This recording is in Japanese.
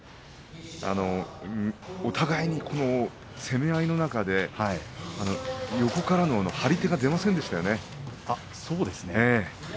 お互いに攻め合いの中で横からの張り手が出ませんでしたよね。